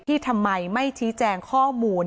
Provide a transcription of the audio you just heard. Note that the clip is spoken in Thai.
ทำไมไม่ชี้แจงข้อมูล